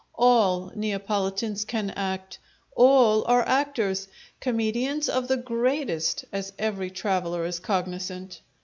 All Neapolitans can act; all are actors; comedians of the greatest, as every traveller is cognizant.